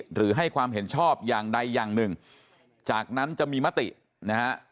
หรือให้ความเห็นชอบอย่างใดอย่างหนึ่งจากนั้นจะมีมตินะฮะ